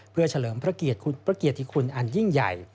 เพื่อเฉลิมพระเกียรติคุณอันยิ่งใหญ่